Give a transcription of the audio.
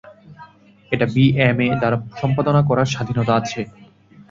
এটা বিএমএ দ্বারা সম্পাদনা করার স্বাধীনতা আছে।